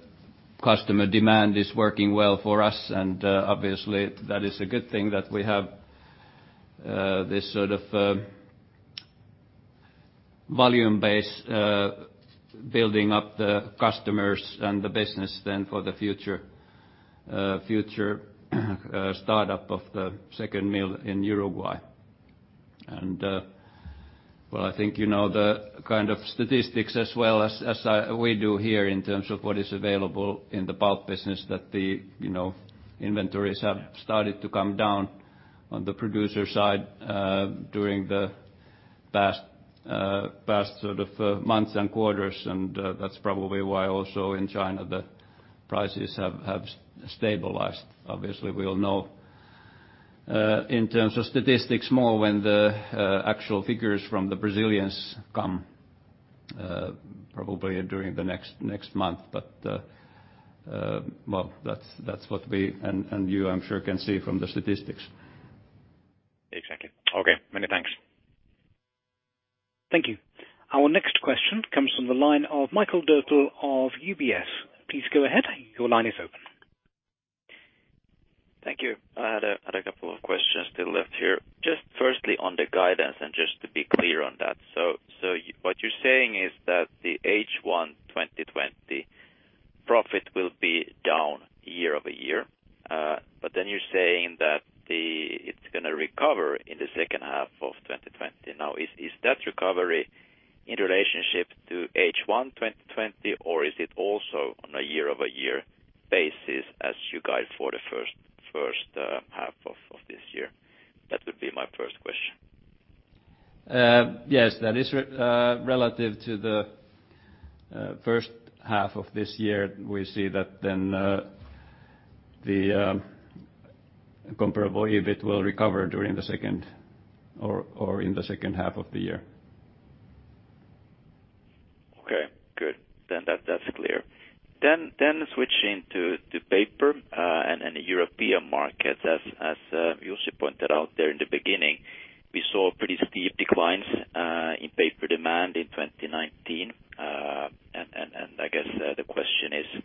S2: customer demand is working well for us, and obviously that is a good thing that we have this sort of volume base, building up the customers and the business then for the future startup of the second mill in Uruguay. Well, I think you know the kind of statistics as well as we do here in terms of what is available in the pulp business, that the inventories have started to come down on the producer side during the past months and quarters. That's probably why also in China, the prices have stabilized. Obviously, we'll know in terms of statistics more when the actual figures from the Brazilians come, probably during the next month. That's what we, and you I'm sure, can see from the statistics.
S7: Exactly. Okay. Many thanks.
S3: Thank you. Our next question comes from the line of Mikael Doepel of UBS. Please go ahead. Your line is open.
S8: Thank you. I had a couple of questions still left here. Just firstly on the guidance and just to be clear on that. What you're saying is that the H1 2020 profit will be down year-over-year. Then you're saying that it's going to recover in the second half of 2020. Is that recovery in relationship to H1 2020, or is it also on a year-over-year basis as you guide for the first half of this year? That would be my first question.
S2: Yes. That is relative to the first half of this year. We see that then the comparable, if it will recover in the second half of the year.
S8: Okay, good. That's clear. Switching to paper and the European market. As Jussi pointed out there in the beginning, we saw pretty steep declines in paper demand in 2019. I guess the question is,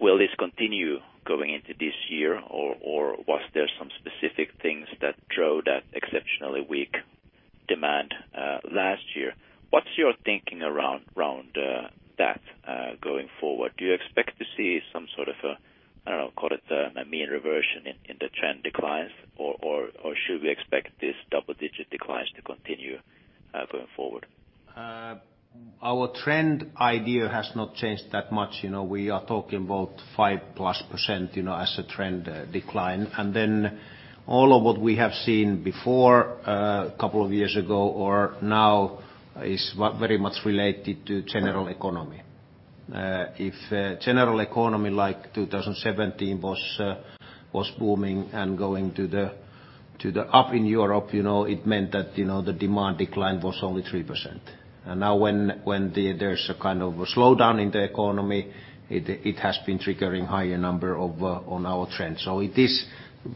S8: will this continue going into this year, or was there some specific things that drove that exceptionally weak demand last year? What's your thinking around that going forward? Do you expect to see some sort of a, I don't know, call it a mean reversion in the trend declines, or should we expect these double-digit declines to continue going forward?
S2: Our trend idea has not changed that much. We are talking about 5%+ as a trend decline. All of what we have seen before, a couple of years ago or now is very much related to general economy. If general economy like 2017 was booming and going up in Europe, it meant that the demand decline was only 3%. Now when there's a kind of a slowdown in the economy, it has been triggering higher number on our trend. It is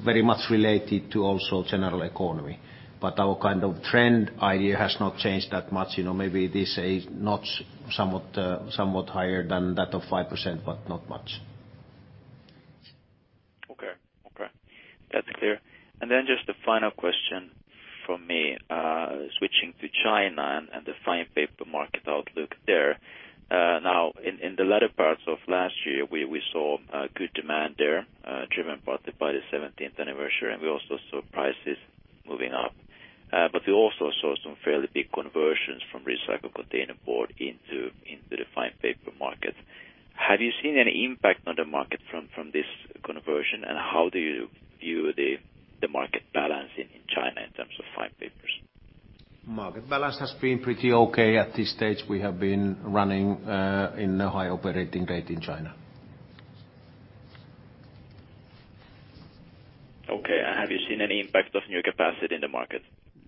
S2: very much related to also general economy. Our trend idea has not changed that much. Maybe this is not somewhat higher than that of 5%, but not much.
S8: Okay. That's clear. Then just a final question from me, switching to China and the fine paper market outlook there. Now, in the latter parts of last year, we saw good demand there, driven partly by the 17th anniversary, and we also saw prices moving up. We also saw some fairly big conversions from recycled container board into the fine paper market. Have you seen any impact on the market from this conversion, and how do you view the market balance in China in terms of fine papers?
S2: Market balance has been pretty okay at this stage. We have been running in a high operating rate in China.
S8: Okay. Have you seen any impact of new capacity in the market?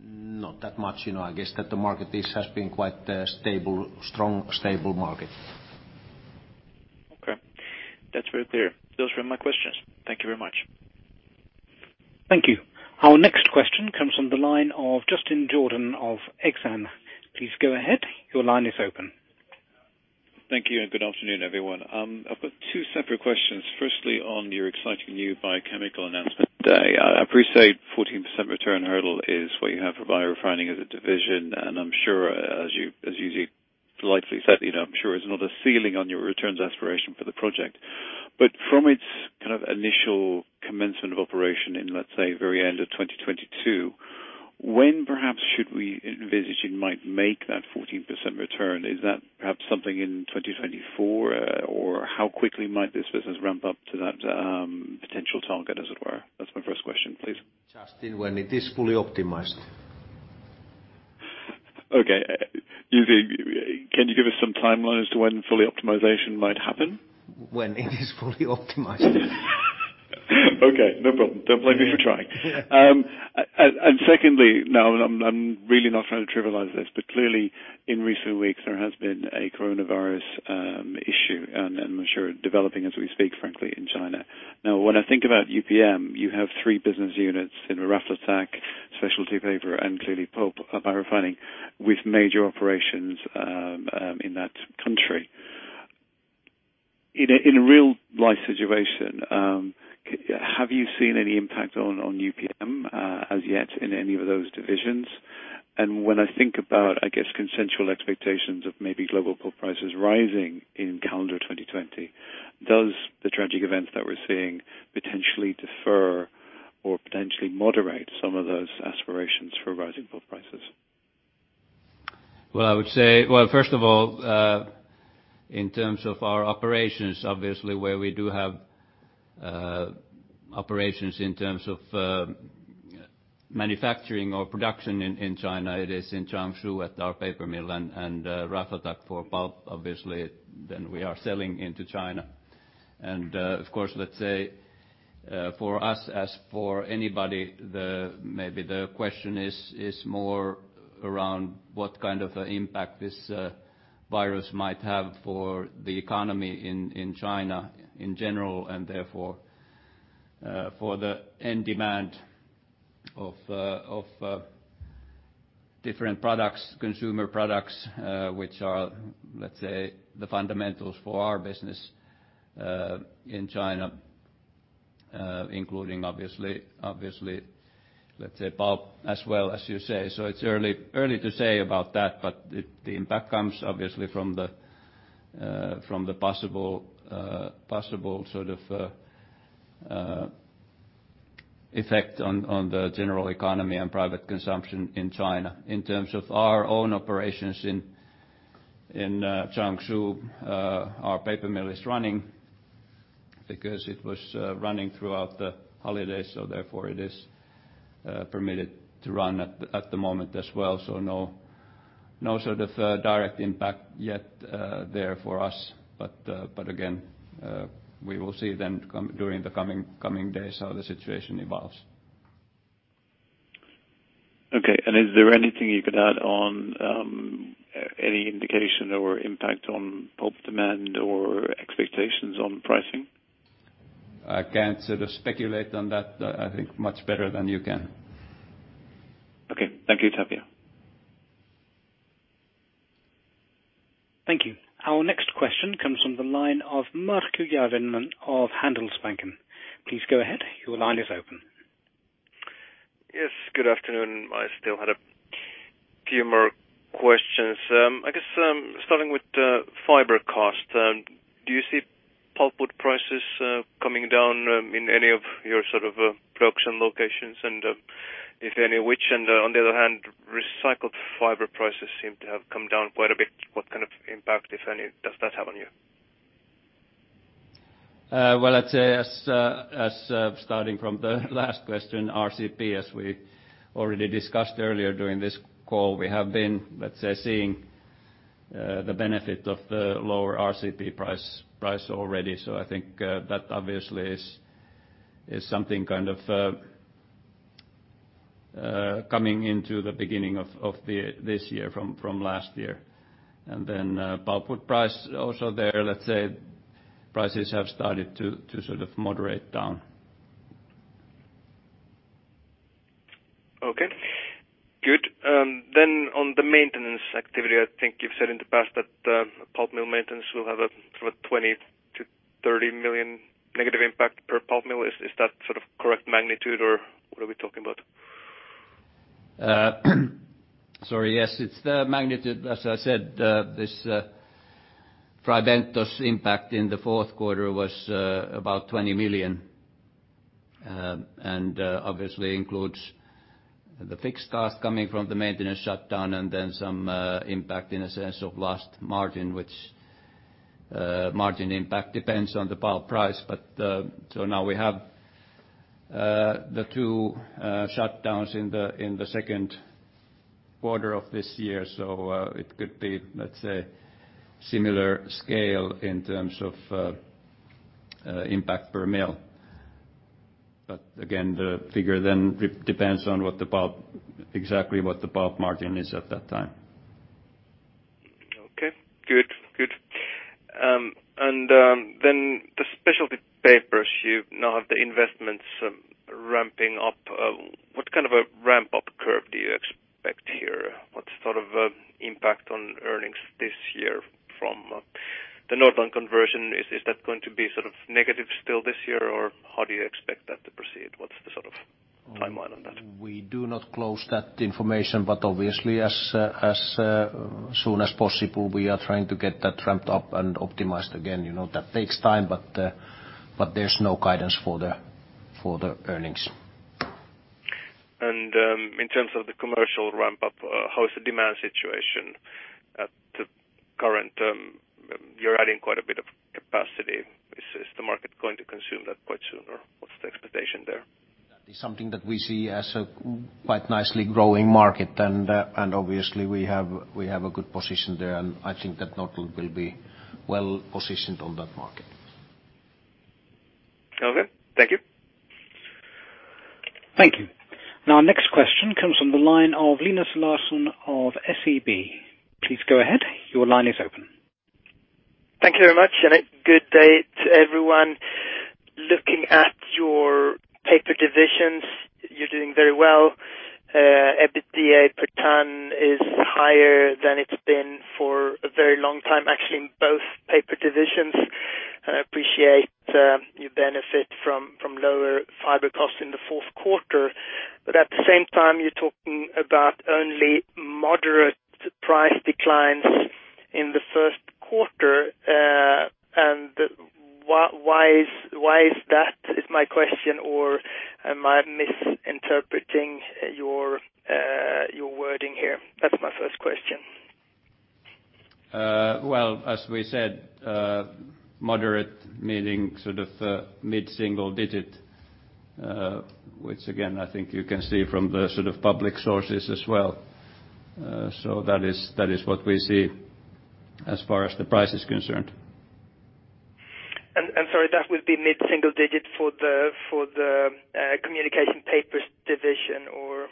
S2: Not that much. I guess that the market, this has been quite strong, stable market.
S8: Okay. That's very clear. Those were my questions. Thank you very much.
S3: Thank you. Our next question comes from the line of Justin Jordan of Exane. Please go ahead. Your line is open.
S9: Thank you. Good afternoon, everyone. I've got two separate questions. Firstly, on your exciting new biochemical announcement day. I appreciate 14% return hurdle is what you have for biorefining as a division, and I'm sure as you lightly said, I'm sure it's not a ceiling on your returns aspiration for the project. From its kind of initial commencement of operation in, let's say, very end of 2022. When perhaps should we envisage you might make that 14% return? Is that perhaps something in 2024? How quickly might this business ramp up to that potential target, as it were? That's my first question, please.
S2: Justin, when it is fully optimized.
S9: Okay. Can you give us some timeline as to when fully optimization might happen?
S2: When it is fully optimized.
S9: Okay, no problem. Don't blame me for trying.
S2: Yeah.
S9: Secondly, now I'm really not trying to trivialize this, but clearly, in recent weeks, there has been a coronavirus issue, and I'm sure developing as we speak, frankly, in China. When I think about UPM-Kymmene, you have three business units in Raflatac, Specialty Paper, and clearly Pulp and Biorefining with major operations in that country. In a real-life situation, have you seen any impact on UPM-Kymmene, as yet, in any of those divisions? When I think about, I guess, consensual expectations of maybe global pulp prices rising in calendar 2020, does the tragic events that we're seeing potentially defer or potentially moderate some of those aspirations for rising pulp prices?
S2: Well, first of all, in terms of our operations, obviously where we do have operations in terms of manufacturing or production in China, it is in Jiangsu at our paper mill and Raflatac for pulp, obviously, then we are selling into China. Of course, let's say, for us as for anybody, maybe the question is more around what kind of impact this virus might have for the economy in China in general, and therefore for the end demand of different products, consumer products, which are, let's say the fundamentals for our business, in China, including obviously let's say pulp as well as you say. It's early to say about that, but the impact comes obviously from the possible sort of effect on the general economy and private consumption in China. In terms of our own operations in Jiangsu, our paper mill is running because it was running throughout the holidays. Therefore, it is permitted to run at the moment as well. No sort of direct impact yet there for us. Again, we will see then during the coming days how the situation evolves.
S9: Okay. Is there anything you could add on any indication or impact on pulp demand or expectations on pricing?
S2: I can't sort of speculate on that, I think much better than you can.
S9: Okay. Thank you, Tapio.
S3: Thank you. Our next question comes from the line of Markku Järvinen of Handelsbanken. Please go ahead. Your line is open.
S10: Yes, good afternoon. I still had a few more questions. I guess, starting with fiber cost, do you see pulpwood prices coming down in any of your production locations? And, if any which? On the other hand, recycled fiber prices seem to have come down quite a bit. What kind of impact if any does that have on you?
S2: I'd say as starting from the last question, RCP, as we already discussed earlier during this call, we have been let's say seeing the benefit of the lower RCP price already. I think that obviously is something kind of coming into the beginning of this year from last year. Pulpwood price also there, let's say prices have started to sort of moderate down.
S10: Okay, good. On the maintenance activity, I think you've said in the past that pulp mill maintenance will have a sort of 20 million-30 million negative impact per pulp mill. Is that sort of correct magnitude or what are we talking about?
S2: Sorry, yes it's the magnitude. As I said, this Fray Bentos impact in the fourth quarter was about 20 million, and obviously includes the fixed cost coming from the maintenance shutdown and then some impact in a sense of lost margin, which margin impact depends on the pulp price. Now we have the two shutdowns in the second quarter of this year. It could be, let's say similar scale in terms of impact per mill. Again, the figure then depends on exactly what the pulp margin is at that time.
S10: Okay. Good. Then the Specialty Papers, you now have the investments ramping up. What kind of a ramp-up curve do you expect here? What sort of impact on earnings this year from the Nordland conversion? Is that going to be sort of negative still this year or how do you expect that to proceed? What's the sort of timeline on that?
S2: We do not close that information, but obviously as soon as possible we are trying to get that ramped up and optimized again. That takes time, but there's no guidance for the earnings.
S10: In terms of the commercial ramp-up, how is the demand situation at the current? You're adding quite a bit of capacity. Is the market going to consume that quite soon, or what's the expectation there?
S2: That is something that we see as a quite nicely growing market. Obviously we have a good position there, and I think that Nordland will be well-positioned on that market.
S10: Okay. Thank you.
S3: Thank you. Our next question comes from the line of Linus Larsson of SEB. Please go ahead. Your line is open.
S11: Thank you very much. A good day to everyone. Looking at your paper divisions, you're doing very well. EBITDA per ton is higher than it's been for a very long time, actually in both paper divisions. I appreciate you benefit from lower fiber costs in the fourth quarter, but at the same time, you're talking about only moderate price declines in the first quarter. Why is that is my question, or am I misinterpreting your wording here? That's my first question.
S2: Well, as we said, moderate meaning mid-single digit, which again, I think you can see from the public sources as well. That is what we see as far as the price is concerned.
S11: Sorry, that would be mid-single digit for the Communication Papers division or.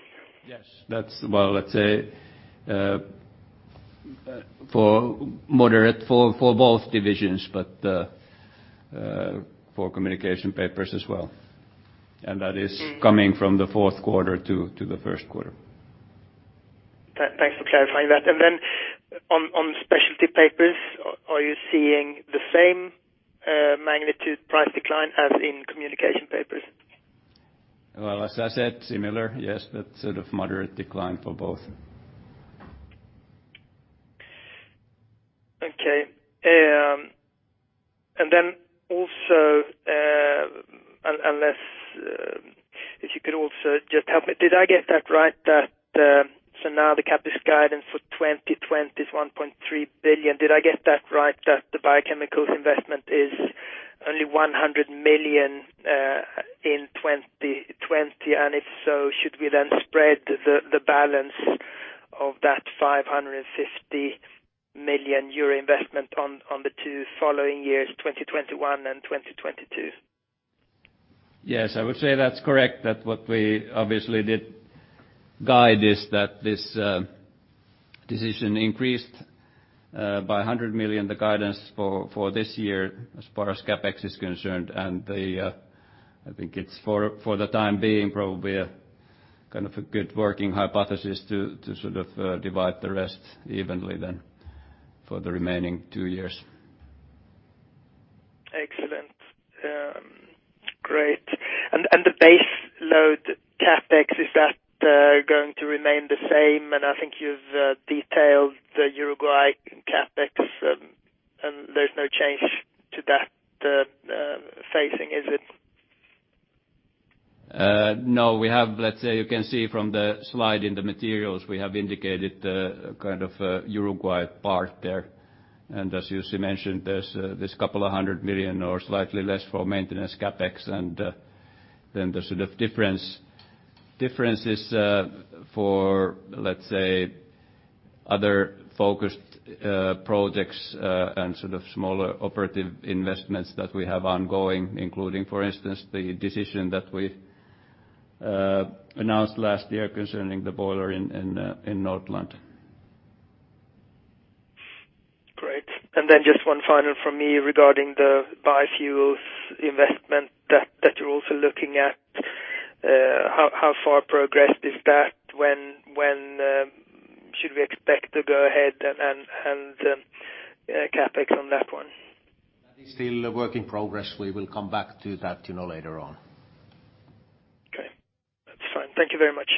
S2: Yes. That's, well, let's say for moderate for both divisions, but for Communication Papers as well. That is coming from the fourth quarter to the first quarter.
S11: Thanks for clarifying that. Then on Specialty Papers, are you seeing the same magnitude price decline as in Communication Papers?
S2: Well, as I said, similar. Yes, that moderate decline for both.
S11: Okay. Then also, if you could also just help me, did I get that right that so now the CapEx guidance for 2020 is 1.3 billion? Did I get that right, that the biochemical investment is only 100 million in 2020? If so, should we then spread the balance of that 550 million euro investment on the two following years, 2021 and 2022?
S2: Yes, I would say that's correct. That what we obviously did guide is that this decision increased by 100 million the guidance for this year as far as CapEx is concerned. I think it's for the time being probably a kind of a good working hypothesis to sort of divide the rest evenly then for the remaining two years.
S11: Excellent. Great. The base load CapEx, is that going to remain the same? I think you've detailed the Uruguay CapEx, and there's no change to that phasing, is it?
S2: No. Let's say you can see from the slide in the materials we have indicated kind of Uruguay part there. As Jussi mentioned, there's this couple of hundred million or slightly less for maintenance CapEx and then the sort of differences for, let's say, other focused projects, and sort of smaller operative investments that we have ongoing, including, for instance, the decision that we announced last year concerning the boiler in Nordland.
S11: Great. Just one final from me regarding the biofuels investment that you're also looking at. How far progressed is that? When should we expect to go ahead and CapEx on that one?
S2: That is still a work in progress. We will come back to that later on.
S11: Okay. That's fine. Thank you very much.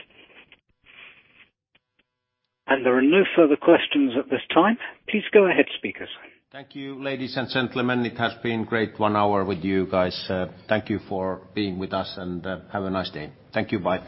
S3: There are no further questions at this time. Please go ahead, speakers.
S2: Thank you, ladies and gentlemen. It has been great one hour with you guys. Thank you for being with us, and have a nice day. Thank you. Bye.